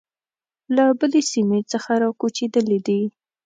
له بلې سیمې څخه را کوچېدلي دي.